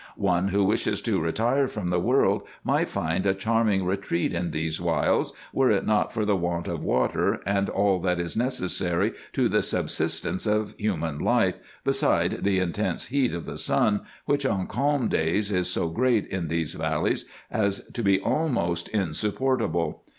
One who wishes to retire from the world might find a charming retreat in these wilds, were it not for the want of water and all that is necessary to the subsistence of human life, beside the intense heat of the sun, which on calm days is so great in these valleys, as to be almost insupportable.